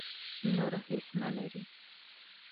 نور هېڅ نه لري.